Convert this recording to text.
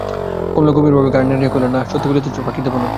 কমলা গম্ভীরভাবে ঘাড় নাড়িয়া কহিল, না, সত্যি বলিতেছি, ফাঁকি দিব না।